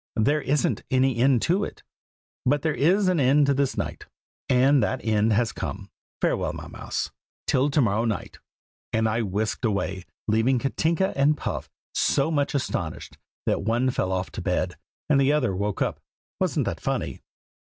"There isn't any end to it. But there is an end to this night, and that end has come. Farewell, my mouse, till to morrow night." And I whisked away, leaving Katinka and Puff so much astonished that one fell off the bed, and the other woke up. Wasn't that funny?